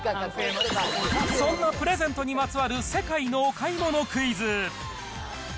そんなプレゼントにまつわる世界のお買い物クイズ。